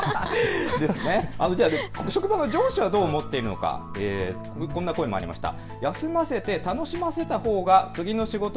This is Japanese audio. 職場の上司はどう思っているのか、こんな声もありました。